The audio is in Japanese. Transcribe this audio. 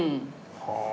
はあ！